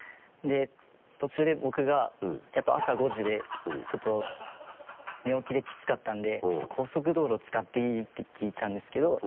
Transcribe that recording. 途中で僕がやっぱり朝５時でちょっと寝起きでキツかったんで「ちょっと高速道路使っていい？」て聞いたんですけど。